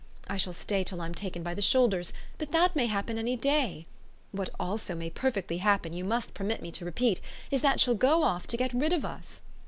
I shall stay till I'm taken by the shoulders, but that may happen any day. What also may perfectly happen, you must permit me to repeat, is that she'll go off to get rid of us."